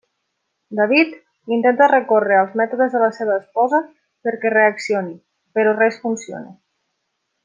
David intenta recórrer als mètodes de la seva esposa perquè reaccioni però res funciona.